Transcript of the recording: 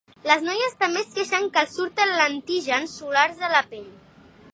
Les noies també es queixen que els surten lentígens solars a la pell.